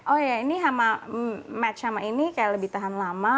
oh ya ini sama match sama ini kayak lebih tahan lama